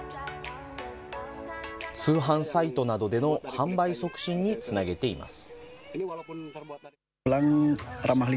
通販サイトなどでの販売促進につなげています。